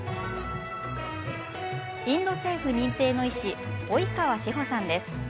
インド政府認定の医師及川史歩さんです。